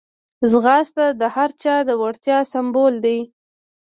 ځغاسته د هر چا د وړتیا سمبول دی